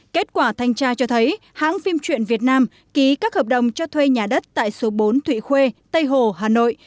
kết quả thanh tra cho thấy hãng phim truyện việt nam ký các hợp đồng cho thuê nhà đất tại số bốn thụy khuê tây hồ hà nội